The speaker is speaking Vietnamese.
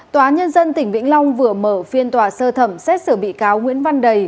tòa nhân dân tỉnh vĩnh long vừa mở phiên tòa sơ thẩm xét xử bị cáo nguyễn văn đầy